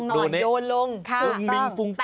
ดูแบบว่าโยนลงหน่อยโยนลงตรงมิงฟุ้งฟุ้งค่ะต้อง